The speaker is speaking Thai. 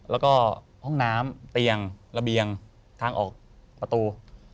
แล้วก็ห้องน้ำเตียงระเบียงทางออกประตู